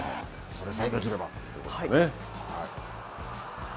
それさえできればということですね。